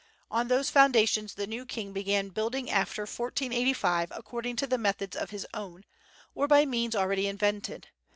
On those foundations the new king began building after 1485 according to methods of his own, or by means already invented.